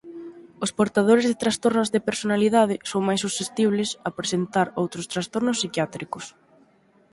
Os portadores de trastornos de personalidade son máis susceptibles a presentar outros trastornos psiquiátricos.